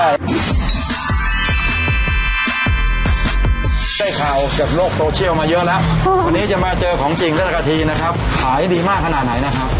ได้ข่าวจากโลกโซเชียลมาเยอะแล้ววันนี้จะมาเจอของจริงและกะทีนะครับขายดีมากขนาดไหนนะครับ